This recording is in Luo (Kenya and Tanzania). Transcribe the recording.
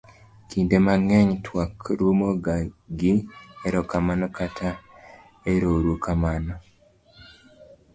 kinde mang'eny twak rumo ga gi erourukamano kata erourukamano